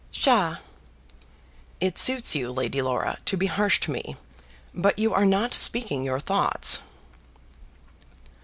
"Psha!" "It suits you, Lady Laura, to be harsh to me, but you are not speaking your thoughts."